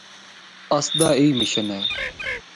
اسدا ایہی مشن اے۔